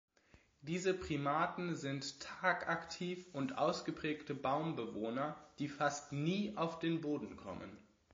Diese Primaten sind tagaktiv und ausgeprägte Baumbewohner, die fast nie auf den Boden kommen.